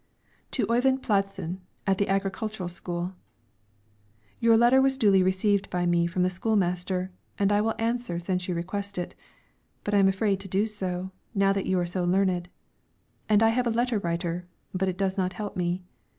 TO OYVIND PLADSEN, AT THE AGRICULTURAL SCHOOL: Your letter was duly received by me from the school master, and I will answer since you request it. But I am afraid to do so, now that you are so learned; and I have a letter writer, but it does not help me.